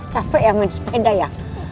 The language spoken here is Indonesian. capek ya mau di sepeda ya